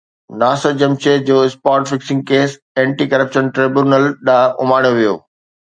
ناصر جمشيد جو spot fixing case anti corruption tribunal ڏانهن اماڻيو ويو